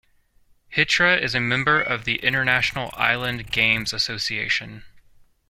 Hitra is a member of the International Island Games Association.